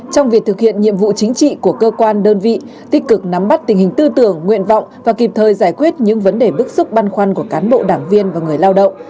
trong việc thực hiện nhiệm vụ chính trị của cơ quan đơn vị tích cực nắm bắt tình hình tư tưởng nguyện vọng và kịp thời giải quyết những vấn đề bức xúc băn khoăn của cán bộ đảng viên và người lao động